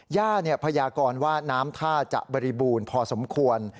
ย่าพยากรว่าน้ำท่าจะบริบูรณ์พอสมควร